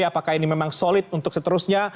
apakah ini memang solid untuk seterusnya